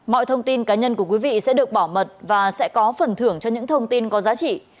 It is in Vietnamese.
mọi thông tin cá nhân của quý vị sẽ được bảo mật và sẽ có phần thưởng cho những thông tin có giá trị